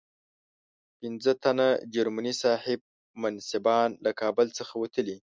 پنځه تنه جرمني صاحب منصبان له کابل څخه وتلي.